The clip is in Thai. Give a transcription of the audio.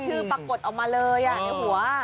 ปรากฏออกมาเลยในหัว